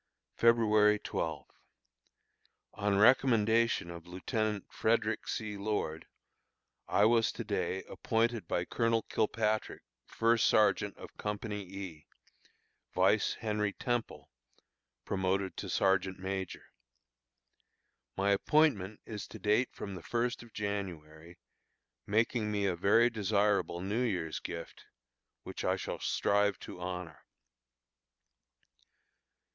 February 12. On recommendation of Lieutenant Frederick C. Lord, I was to day appointed by Colonel Kilpatrick First Sergeant of Company E, vice Henry Temple, promoted to Sergeant Major. My appointment is to date from the first of January, making me a very desirable New Year's gift, which I shall strive to honor.